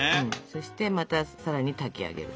そしてまたさらに炊き上げる。